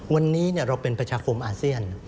วันนี้เราเป็นประชาคมอาเซียน